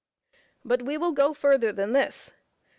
But we will go further than this.